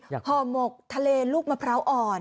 ห่อหมกทะเลลูกมะพร้าวอ่อน